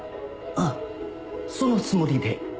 うんそのつもりで。